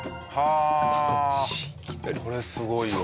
これすごいわ。